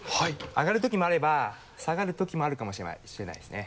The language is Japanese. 上がるときもあれば下がるときもあるかもしれないですね。